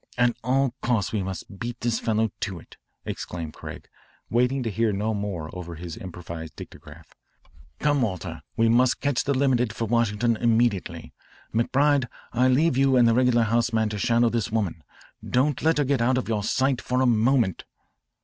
"At all costs we must beat this fellow to it," exclaimed Craig, waiting to hear no more over his improvised dictograph. "Come, Walter, we must catch the limited for Washington immediately. McBride, I leave you and the regular house man to shadow this woman. Don't let her get out of your sight for a moment."